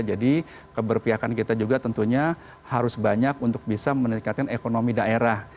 jadi keberpihakan kita juga tentunya harus banyak untuk bisa meningkatkan ekonomi daerah